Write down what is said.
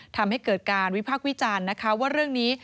ทำให้เกิดการวิพากษ์วิจารณ์นะคะว่าเรื่องนี้